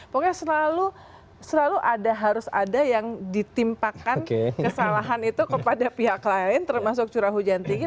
pokoknya selalu ada harus ada yang ditimpakan kesalahan itu kepada pihak lain termasuk curah hujan tinggi